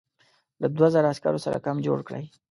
له دوو زرو عسکرو سره کمپ جوړ کړی.